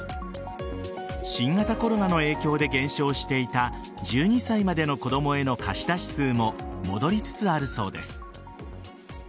新型コロナの影響で減少していた１２歳までの子供への貸し出し数も戻りつつあるそうです。